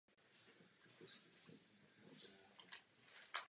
Diagnostika nemocí ptáků vyžaduje určitý postup.